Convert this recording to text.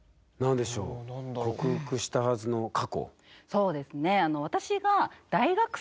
そうですね